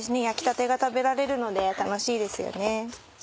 焼きたてが食べられるので楽しいですよね。